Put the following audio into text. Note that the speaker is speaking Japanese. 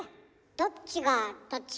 どっちがどっち？